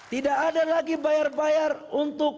tidak ada lagi bayar bayar untuk